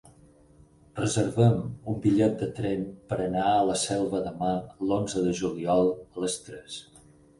Reserva'm un bitllet de tren per anar a la Selva de Mar l'onze de juliol a les tres.